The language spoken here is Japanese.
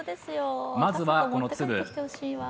まずは、この粒。